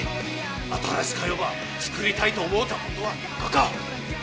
新しか世ば作りたいと思うたことはなかか？